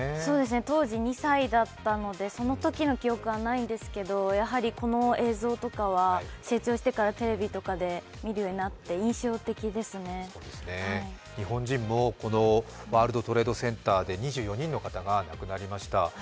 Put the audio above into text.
当時２歳だったので、そのときの記憶はないんですがやはりこの映像とかは成長してからテレビとかで見るようになって日本人も、このワールド・トレード・センターで２４人の方が亡くなりました。